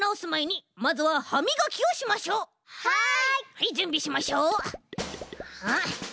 はいじゅんびしましょう。